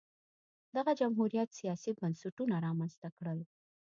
دغه جمهوریت سیاسي بنسټونه رامنځته کړل